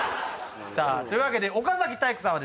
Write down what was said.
というわけで岡崎体育さんは。